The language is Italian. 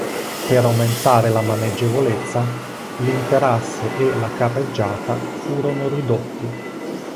Per aumentare la maneggevolezza l'interasse e la carreggiata furono ridotti.